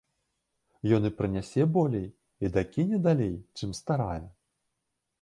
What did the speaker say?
Ён і прынясе болей, і дакіне далей, чым старая.